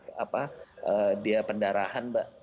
ibarat orang yang lagi sakit dia pendarahan mbak